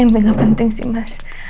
ini engga penting sih mas